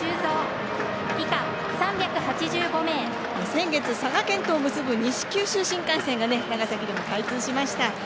先月、佐賀県とを結ぶ西九州新幹線が長崎でも開通しました。